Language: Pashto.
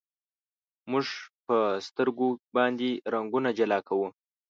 موږ په سترګو باندې رنګونه جلا کوو.